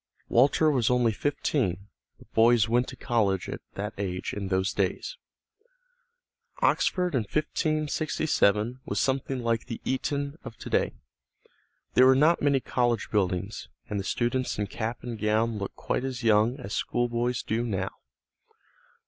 Walter was only fifteen, but boys went to college at that age in those days. Oxford in 1567 was something like the Eton of to day. There were not many college buildings, and the students in cap and gown looked quite as young as schoolboys do now.